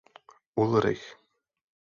Ulrich.